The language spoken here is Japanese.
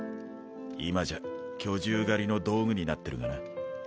今じゃ巨獣狩りの道具になってるがな。